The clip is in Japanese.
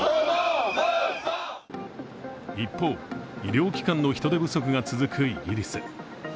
一方、医療機関の人手不足が続くイギリス。